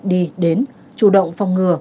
đi đến chủ động phòng ngừa